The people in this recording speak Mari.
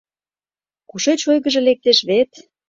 Кушеч ойгыжо лектеш вет?